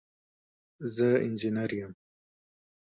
زه انجينر يم.